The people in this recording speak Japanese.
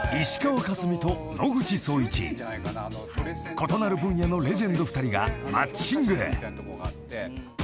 ［異なる分野のレジェンド２人がマッチング］